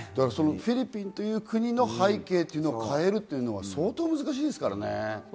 フィリピンという国の背景を変えるというのは相当難しいですからね。